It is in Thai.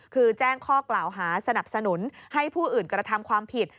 คือแจ้งข้อกล่าวหาสนับสนุนให้ผู้อื่นกระทำความผิด